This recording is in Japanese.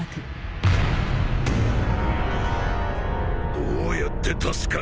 どうやって助かった？